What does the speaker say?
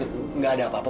enggak ada apa apa